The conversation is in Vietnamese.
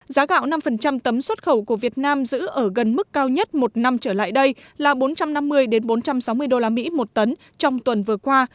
giá gạo năm tấm xuất khẩu của việt nam giữ ở gần mức cao nhất một năm trở lại đây là bốn trăm năm mươi bốn trăm sáu mươi usd một tấn trong tuần vừa qua